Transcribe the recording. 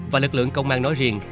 và lực lượng công an nói riêng